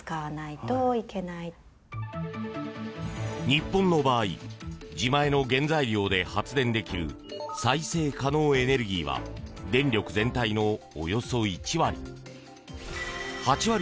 日本の場合自前の原材料で発電できる再生可能エネルギーは電力全体のおよそ１割。